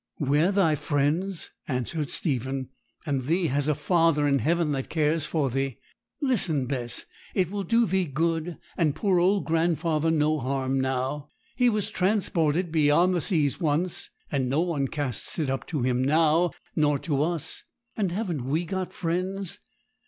'We're thy friends,' answered Stephen, 'and thee has a Father in heaven that cares for thee. Listen, Bess; it will do thee good, and poor old grandfather no harm now. He was transported beyond the seas once; and no one casts it up to him now, nor to us; and haven't we got friends?